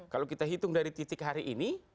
kalau kita hitung dari titik hari ini